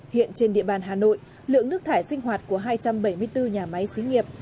hiện trên địa bàn hà nội lượng nước thải sinh hoạt của hai trăm bảy mươi bốn nhà máy xí nghiệp